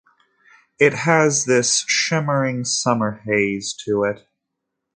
It has this shimmering summer haze to it.